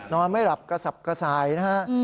นอนไม่หลับกระสับกระส่ายนะฮะ